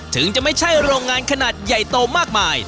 ถึงจะไม่ใช่โรงงานขนาดใหญ่โตมากมาย